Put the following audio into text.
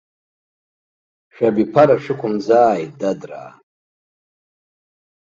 Шәабиԥара шәықәымӡааит, дадраа.